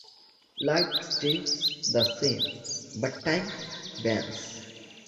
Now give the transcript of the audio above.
Light stays the same, but time bends.